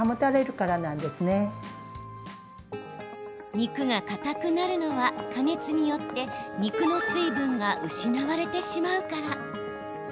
肉がかたくなるのは加熱によって肉の水分が失われてしまうから。